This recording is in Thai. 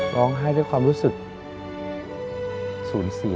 ร้องไห้ด้วยความรู้สึกสูญเสีย